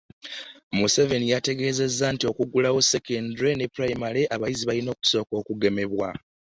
Museveni yategeezezza nti okuggulawo ssekendule ne ppulayimale abayizi balina kusooka kugemebwa